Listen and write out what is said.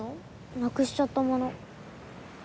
なくしちゃったもの。